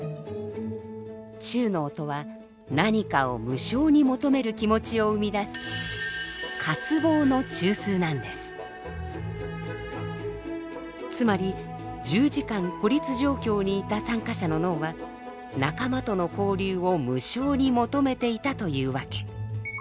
中脳とは何かを無性に求める気持ちを生み出すつまり１０時間孤立状況にいた参加者の脳は仲間との交流を無性に求めていたというわけ。